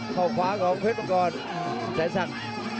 เข้าขวาของเพชรมังกรจะสั่ง